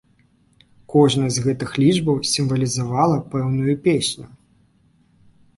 Кожная з гэтых лічбаў сімвалізавала пэўную песню.